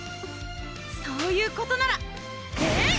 そういうことならえいっ！